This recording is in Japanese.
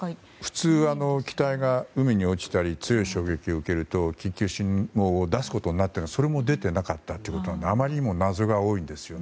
普通、機体が海に落ちたり強い衝撃を受けると緊急信号を出すことになっていますがそれも出ていなかったということはあまりにも謎が多いんですね。